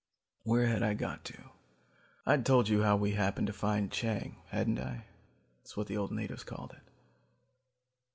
"Where had I got to? I'd told you how we happened to find Chang, hadn't I? That's what the natives called it.